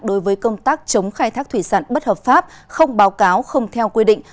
đối với công tác chống khai thác thủy sản bất hợp pháp không báo cáo không theo quy định